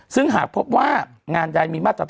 ซึ่งหากพบว่างานใดมี